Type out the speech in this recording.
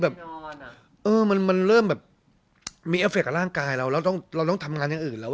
แบบเออมันมันเริ่มแบบมีกับร่างกายเราเราต้องเราต้องทำงานอย่างอื่นแล้ว